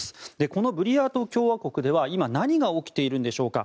このブリヤート共和国では今何が起きているのでしょうか。